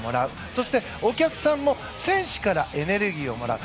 そして、お客さんも選手からエネルギーをもらう。